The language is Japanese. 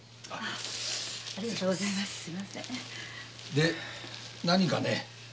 で何かね？